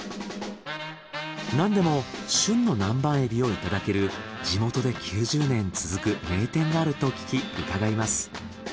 なんでも旬の南蛮エビをいただける地元で９０年続く名店があると聞き伺います。